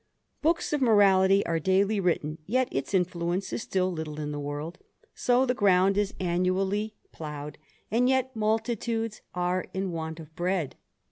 . ^ooks of moraHty are daily written, yet its influence still little in the world; so the ground is annually 264 THE ADVENTURER. ploughed, and yet multitudes are in want of bread.